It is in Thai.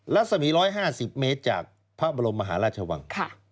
รัศมี๑๕๐เมตรจากพระบรมมหาราชวัง